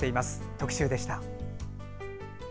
特集でした。